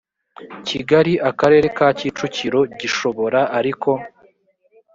kigali akarere ka kicukiro gishobora ariko